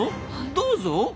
どうぞ！